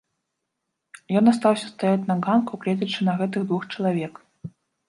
Ён астаўся стаяць на ганку, гледзячы на гэтых двух чалавек.